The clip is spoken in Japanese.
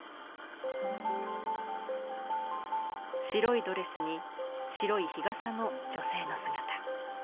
白いドレスに白い日傘の女性の姿。